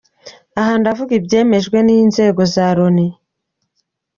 Aha ndavuga ibyemejwe n’inzego za Loni.